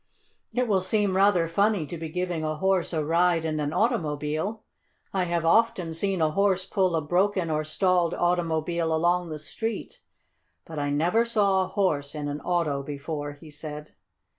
It will seem rather funny to be giving a horse a ride in an automobile. I have often seen a horse pull a broken or stalled automobile along the street, but I never saw a horse in an auto before," he said.